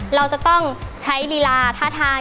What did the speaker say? เราจะต้องใช้ลีลาท้าทาย